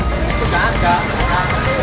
itu gak ada